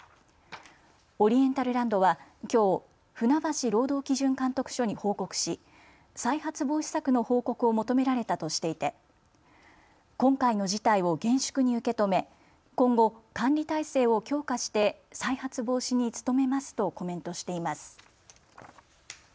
オリエンタルランドはきょう船橋労働基準監督署に報告し再発防止策の報告を求められたとしていて今回の事態を厳粛に受け止め今後、管理体制を強化して再発防止に努めますとコメントしています。